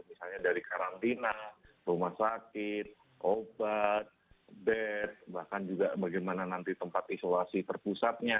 misalnya dari karantina rumah sakit obat bed bahkan juga bagaimana nanti tempat isolasi terpusatnya